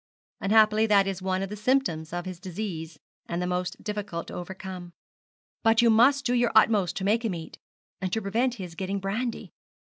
'Unhappily, that is one of the symptoms of his disease, and the most difficult to overcome. But you must do your utmost to make him eat, and to prevent his getting brandy.